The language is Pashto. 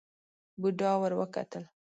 بوډا ور وکتل.